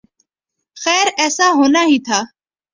خیر ایسا ہونا ہی تھا۔